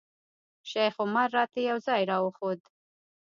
شیخ عمر راته یو ځای راوښود.